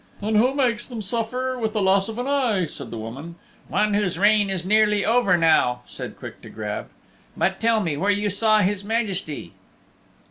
"And who makes them suffer with the loss of an eye?" said the woman. "One whose reign is nearly over now," said Quick to Grab. "But tell me where you saw His Majesty?"